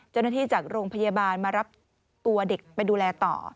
เจ้าหน้าที่จากโรงพยาบาลมารับตัวเด็กไปดูแลต่อ